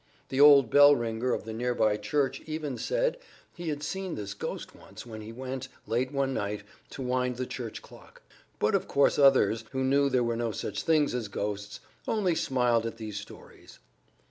The old bell ringer of the near by church even said he had seen this ghost once, when he went, late one night, to wind the church clock. But of course others, who knew there were no such things as ghosts, only smiled at these stories.